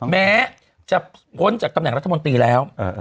แม้จะพ้นจากตำแหน่งรัฐมนตรีแล้ว